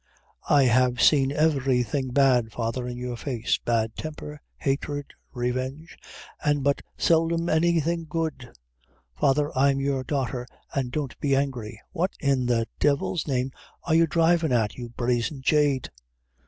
I have seen every thing bad, father, in your face bad temper, hatred, revenge an' but seldom any thing good. Father, I'm your daughter, an' don't be angry!" "What, in the devil's name, are you drivin' at, you brazen jade?"